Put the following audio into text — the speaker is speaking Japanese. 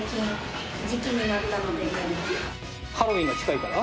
ハロウィンが近いから？